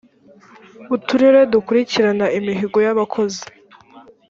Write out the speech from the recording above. uturere dukurikirana imihigo y’ abakozi .